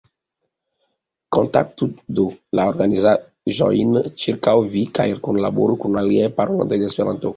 Kontaktu, do, la organizaĵojn ĉirkaŭ vi kaj kunlaboru kun la aliaj parolantoj de Esperanto.